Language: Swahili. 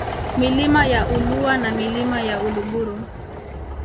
Milima ya Ulua na Milima ya Uluguru